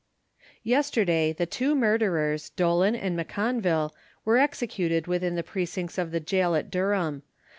Yesterday the two murderers, Dolan and M'Conville, were executed within the precincts of the goal at Durham.